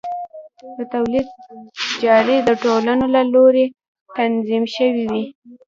د تولید چارې د ټولنو له لوري تنظیم شوې وې.